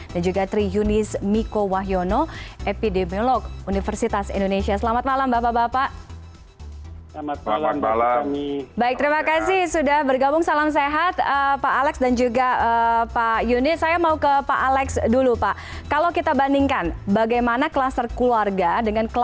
dan juga tri yunis miko wahyono epidemiolog universitas indonesia selamat malam bapak bapak